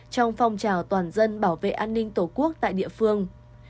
trong phong trào toàn dân bảo vệ an ninh tổ quốc tại địa phương